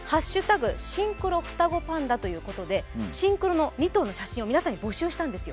シンクロふたごパンダ」ということでシンクロの２頭の写真を皆さんに募集したんですよ。